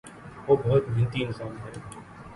وہ بہت محنتی انسان ہے۔